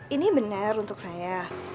ini benar untuk saya